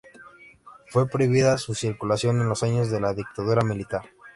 Fue prohibida su circulación en los años de la dictadura militar.